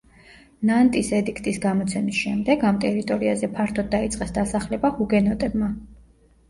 ნანტის ედიქტის გამოცემის შემდეგ ამ ტერიტორიაზე ფართოდ დაიწყეს დასახლება ჰუგენოტებმა.